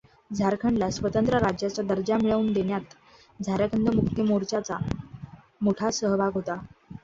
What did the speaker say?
झारखंडला स्वतंत्र राज्याचा दर्जा मिळवून देण्यात झारखंड मुक्ती मोर्चाचा मोठा सहभाग होता.